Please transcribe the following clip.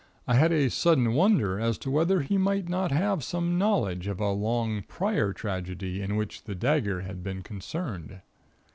I had a sudden wonder as to whether he might not have some knowledge of a long prior tragedy in which the dagger had been concerned.